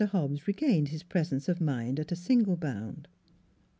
Hobbs regained his presence of mind at a single bound.